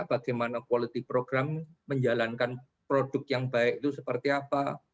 bagaimana quality program menjalankan produk yang baik itu seperti apa